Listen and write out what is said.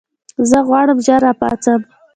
زه غواړم ژر راپاڅم.